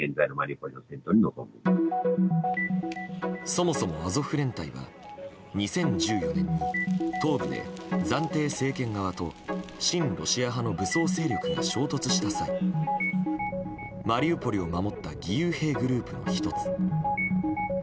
そもそもアゾフ連隊は２０１４年に東部で暫定政権側と親ロシア派の武装勢力が衝突した際マリウポリを守った義勇兵グループの１つ。